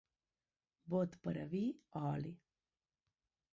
Bot per a vi o oli.